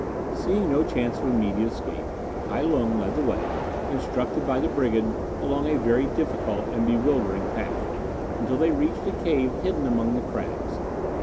Seeing no chance of immediate escape, Kai Lung led the way, instructed by the brigand, along a very difficult and bewildering path, until they reached a cave hidden among the crags.